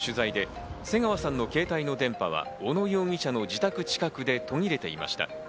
また警察への取材で瀬川さんの携帯の電波は小野容疑者の自宅近くで途切れていました。